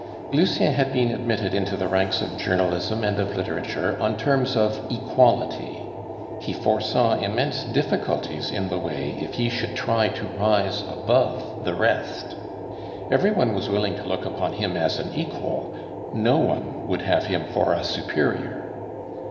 Lucien had been admitted into the ranks of journalism and of literature on terms of equality; he foresaw immense difficulties in the way if he should try to rise above the rest. Every one was willing to look upon him as an equal; no one would have him for a superior.